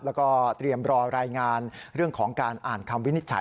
แล้วก็เตรียมรอรายงานเรื่องของการอ่านคำวินิจฉัย